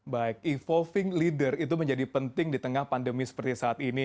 baik evolving leader itu menjadi penting di tengah pandemi seperti saat ini